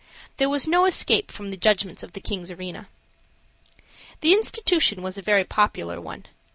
There was no escape from the judgments of the king's arena. The institution was a very popular one.